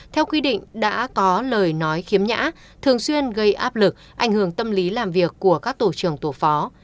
theo quy định đã có lời nói khiếm nhã thường xuyên gây áp lực ảnh hưởng tâm lý làm việc của các tổ trưởng tổ phó